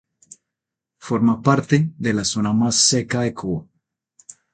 Forma parte de la zona más seca de Cuba.